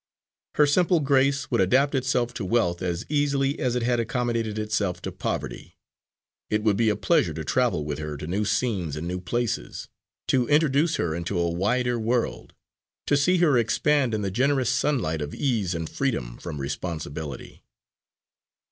Her simple grace would adapt itself to wealth as easily as it had accommodated itself to poverty. It would be a pleasure to travel with her to new scenes and new places, to introduce her into a wider world, to see her expand in the generous sunlight of ease and freedom from responsibility.